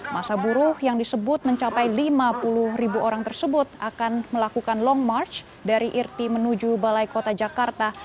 masa buruh yang disebut mencapai lima puluh ribu orang tersebut akan melakukan long march dari irti menuju balai kota jakarta